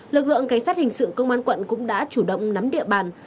lực lượng cảnh sát hình sự công an quận cũng đã chủ động nắm địa bàn